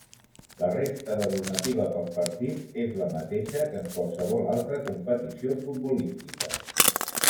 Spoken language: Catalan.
La resta de normativa pels partits és la mateixa que en qualsevol altra competició futbolística.